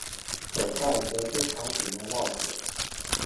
手焊则经常使用烙铁。